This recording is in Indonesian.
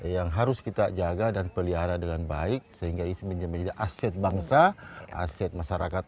yang harus kita jaga dan pelihara dengan baik sehingga ini menjadi aset bangsa aset masyarakat